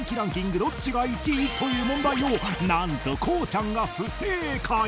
どっちが１位？という問題を何とこうちゃんが不正解